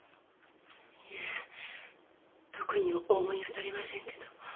いえ特に思い当たりませんけど。